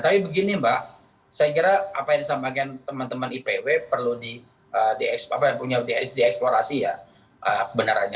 tapi begini mbak saya kira apa yang disampaikan teman teman ipw perlu di eksplorasi ya kebenarannya